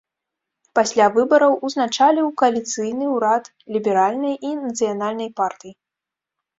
Пасля выбараў узначаліў кааліцыйны ўрад ліберальнай і нацыянальнай партый.